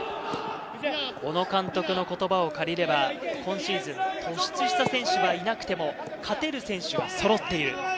小野監督の言葉を借りれば今シーズン突出した選手はいなくても勝てる選手がそろっている。